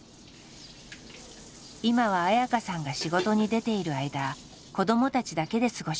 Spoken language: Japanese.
今は綾香さんが仕事に出ている間子どもたちだけで過ごします。